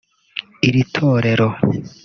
Iri torero